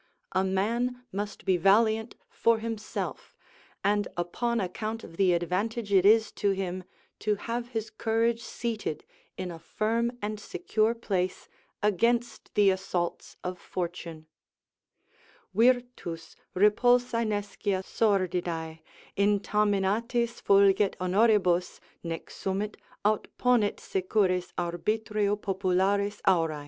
A man must be valiant for himself, and upon account of the advantage it is to him to have his courage seated in a firm and secure place against the assaults of fortune: "Virtus, repulsaa nescia sordidx Intaminatis fulget honoribus Nec sumit, aut ponit secures Arbitrio popularis aura."